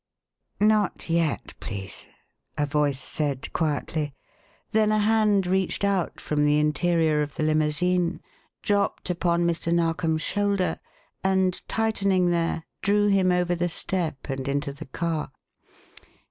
"Not yet, please," a voice said quietly; then a hand reached out from the interior of the limousine, dropped upon Mr. Narkom's shoulder and, tightening there, drew him over the step and into the car.